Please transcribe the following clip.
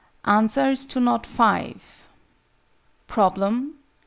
ANSWERS TO KNOT V. _Problem.